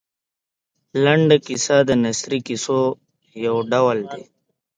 لنډه کیسه د نثري کیسو یو ډول دی.